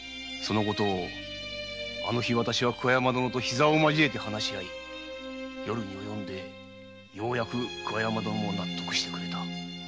そのことをあの日桑山殿と膝をまじえて話し合い夜に及んでようやく桑山殿も納得してくれた。